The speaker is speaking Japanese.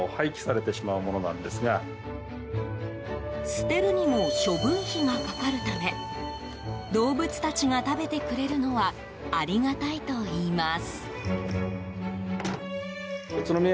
捨てるにも処分費がかかるため動物たちが食べてくれるのはありがたいといいます。